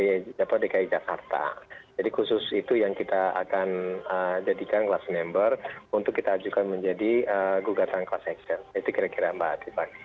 di dki jakarta jadi khusus itu yang kita akan jadikan class number untuk kita ajukan menjadi gugatan class action itu kira kira mbak tiffany